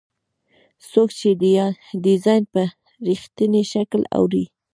څوک چې ډیزاین په رښتیني شکل اړوي.